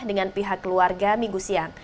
dengan pihak keluarga minggu siang